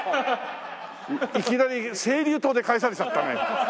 いきなり青竜刀で返されちゃったね。